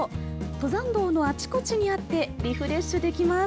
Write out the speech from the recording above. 登山道のあちこちにあってリフレッシュできます